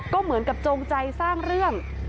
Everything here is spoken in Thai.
ก็เหมือนกับจงใจสร้างเรื่อง